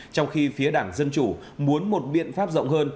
trong khi phía đảng dân chủ muốn một biện pháp rộng hơn